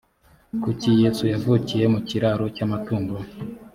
kuki yesu yavukiye mu kiraro cy amatungo